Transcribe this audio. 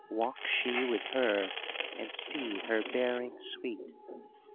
Walk she with her, and see her bearing sweet.